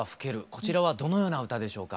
こちらはどのような歌でしょうか？